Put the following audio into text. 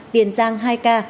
tiền giang hai ca